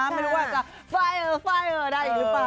ไม่รู้ว่าจะไฟล์ได้หรือเปล่า